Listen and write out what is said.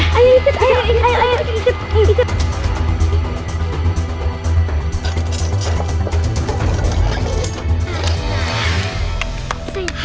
kayaknya subscribe seharusnya ya